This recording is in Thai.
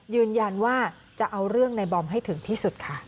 ยืนยันว่าจะเอาเรื่องในบอมให้ถึงที่สุดค่ะ